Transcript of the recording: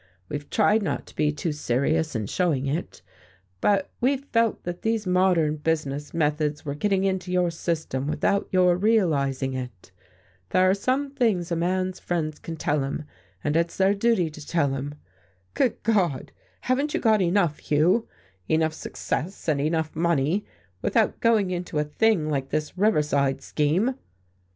We've tried not to be too serious in showing it, but we've felt that these modern business methods were getting into your system without your realizing it. There are some things a man's friends can tell him, and it's their duty to tell him. Good God, haven't you got enough, Hugh, enough success and enough money, without going into a thing like this Riverside scheme?"